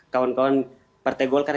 kawan kawan partai golkar